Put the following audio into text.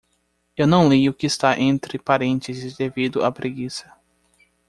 Eu não li o que está entre parênteses devido à preguiça.